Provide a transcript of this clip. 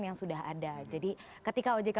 yang sudah ada jadi ketika ojk